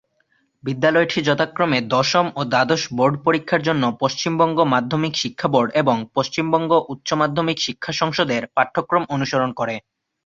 বিদ্যালয়টি যথাক্রমে দশম ও দ্বাদশ বোর্ড পরীক্ষার জন্য পশ্চিমবঙ্গ মাধ্যমিক শিক্ষা বোর্ড এবং পশ্চিমবঙ্গ উচ্চমাধ্যমিক শিক্ষা সংসদের পাঠ্যক্রম অনুসরণ করে।